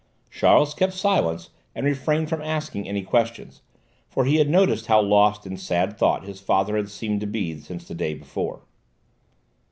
Charles kept silence and refrained from asking any questions, for he had noticed how lost in sad thought his father had seemed to be since the day before.